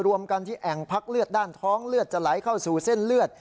รวมกันที่แอ่งพักเลือดด้านท้องเลือดจะไหลเข้าสู่เส้นเลือด